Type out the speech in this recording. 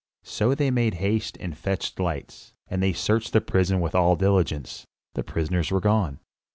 So they made haste and fetched lights, and they searched the prison with all diligence. The prisoners were gone.